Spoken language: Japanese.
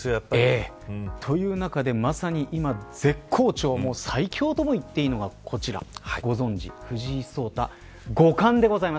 という中で、まさに今、絶好調最強とも言っていいのが、こちらご存じ、藤井聡太五冠でございます。